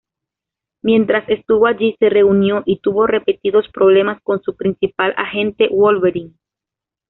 Mientras estuvo allí, se reunió y tuvo repetidos problemas con su principal agente Wolverine.